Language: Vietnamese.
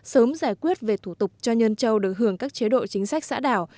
sớm giải quyết về thủ tục cho nhân châu được hưởng các chế độ chính sách xã đảo